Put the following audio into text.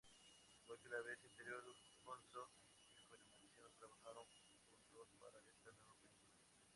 Igual que la vez anterior, Gonzo y Funimation trabajaron juntos para esta nueva película.